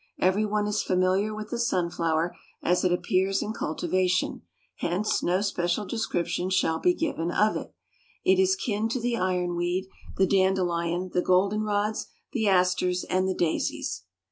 Every one is familiar with the sunflower as it appears in cultivation, hence no special description shall be given of it. It is kin to the iron weed, the dandelion, the golden rods, the asters and the daisies.